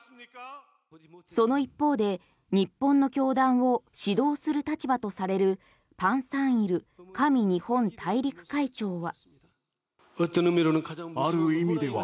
その一方で日本の教団を指導する立場とされるパン・サンイル神日本大陸会長は。